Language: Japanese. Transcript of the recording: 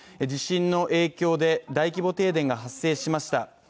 地震の影響で大規模停電が発生しました。